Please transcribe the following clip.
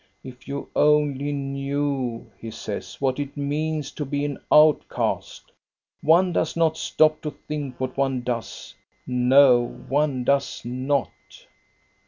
" If you only knew," he says, " what it means to be an outcast. One does not stop to think what one does. No, one does not."